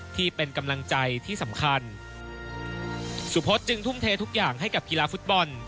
ที่เป็นกำลังใจที่สำคัญสุพศจึงทุ่มเททุกอย่างให้กับกีฬาฟุตบอล